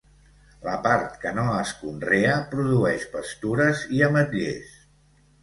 La part que no es conrea produeix pastures i ametllers.